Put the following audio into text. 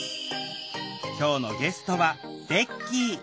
今日のゲストはベッキー。